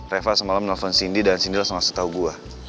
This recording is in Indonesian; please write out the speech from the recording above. reva semalam nelfon cindy dan cindy langsung tahu gue